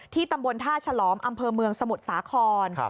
ตำบลท่าฉลอมอำเภอเมืองสมุทรสาคร